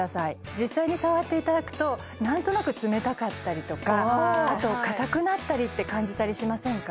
実際に触っていただくとなんとなく冷たかったりとかあとかたくなったりって感じたりしませんか？